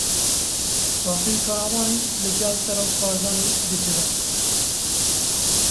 Bafil Talebanî li gel Serok Barzanî dicive.